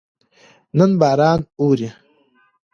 نن باران اوري